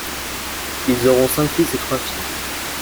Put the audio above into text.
Ils auront cinq fils et trois filles.